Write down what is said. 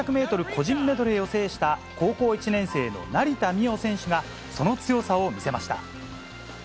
個人メドレーを制した高校１年生の成田実生選手が、その強さを見せました。